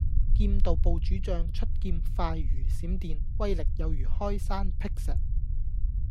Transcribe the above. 劍道部主將，出劍快如閃電，威力有如開山闢石